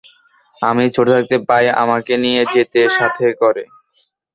আমি ছোট থাকতে প্রায়ই আমাকে নিয়ে যেত সাথে করে।